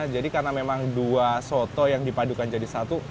jadi karena memang dua soto yang dipadukan jadi satu